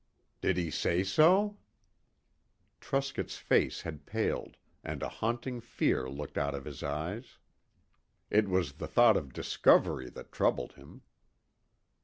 "Did he say so?" Truscott's face had paled, and a haunting fear looked out of his eyes. It was the thought of discovery that troubled him.